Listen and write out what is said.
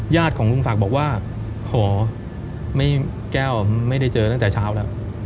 ของลุงศักดิ์บอกว่าหอแก้วไม่ได้เจอตั้งแต่เช้าแล้ว